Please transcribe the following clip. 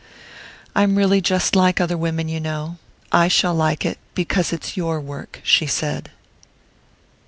"I'm really just like other women, you know I shall like it because it's your work," she said.